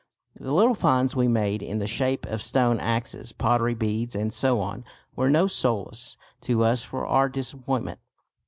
The little finds we made in the shape of stone axes, pottery, beads, and so on, were no solace to us for our disappointment.